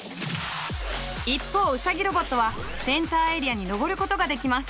一方ウサギロボットはセンターエリアに上ることができます。